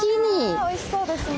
わあおいしそうですね。